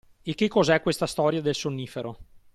E che cos'è questa storia del sonnifero.